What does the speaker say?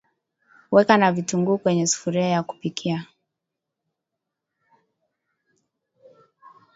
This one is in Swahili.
weka na vitunguu kwenye sufuria ya kupikia